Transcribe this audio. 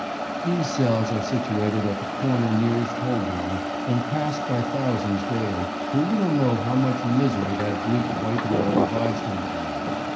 These cells are situated at the corner nearest Holborn, and passed by thousands daily who little know how much misery that bleak white wall divides them from.